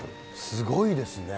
すごいですね。